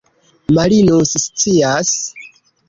Marinus scias.